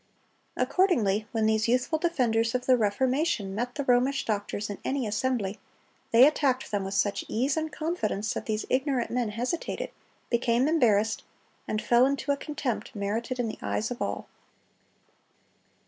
Accordingly, when these youthful defenders of the Reformation met the Romish doctors in any assembly, they attacked them with such ease and confidence that these ignorant men hesitated, became embarrassed, and fell into a contempt merited in the eyes of all."